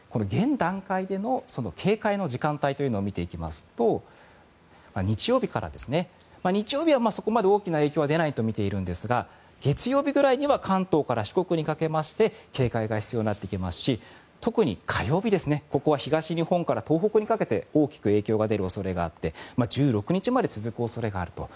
現段階での警戒の時間帯というのを見ていきますと日曜日はそこまで大きな影響は出ないとみているんですが月曜日くらいには関東から四国にかけまして警戒が必要になってきますし特に火曜日は東日本から東北にかけて大きく影響が出る恐れがあって１６日まで続く恐れがあると。